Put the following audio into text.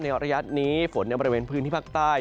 ในอันยัดนี้ฝนในบริเวณพื้นที่ภาคใต้